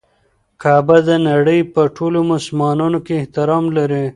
کعبه د نړۍ په ټولو مسلمانانو کې احترام لري.